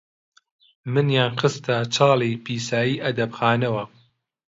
منیان خستە چاڵی پیسایی ئەدەبخانەوە،